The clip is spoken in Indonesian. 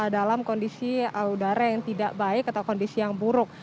dalam kondisi udara yang tidak baik atau kondisi yang buruk